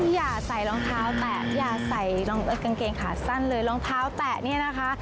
อย่าใส่รองเท้าแตะอย่าใส่กางเกงขาสั้นเลยรองเท้าแตะเนี่ยนะคะ